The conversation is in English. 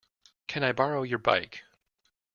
Can I borrow your bike?